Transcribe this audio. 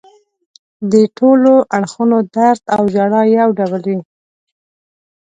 د ټولو اړخونو درد او ژړا یو ډول وي.